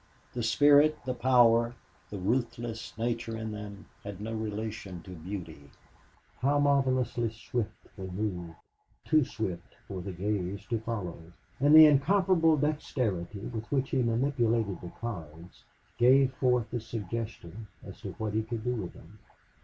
The spirit, the power, the ruthless nature in them had no relation to beauty. How marvelously swift they moved too swift for the gaze to follow. And the incomparable dexterity with which he manipulated the cards gave forth the suggestion as to what he could do with them.